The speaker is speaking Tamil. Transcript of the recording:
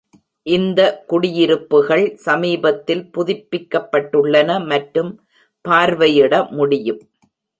இந்த குடியிருப்புகள் சமீபத்தில் புதுப்பிக்கப்பட்டுள்ளன மற்றும் பார்வையிட முடியும்.